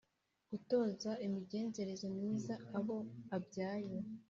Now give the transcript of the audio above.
gutoza imigenzereze myiza abo abyaye